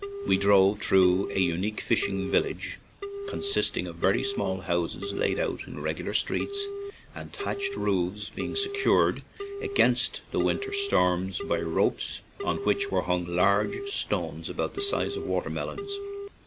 We drove through a unique fishing village, consisting of very small houses laid out in regular streets, the thatched roofs be ing secured against the winter storms by ropes on which were ' hung large stones about the size of watermelons.